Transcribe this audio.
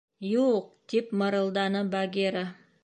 — Юҡ, — тип мырылданы Багира.